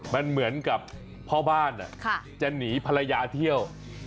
มันเหมือนกับพ่อบ้านจะหนีภรรยาเที่ยว